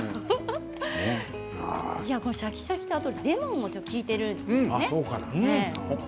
シャキシャキとあとレモンも利いているんですよね。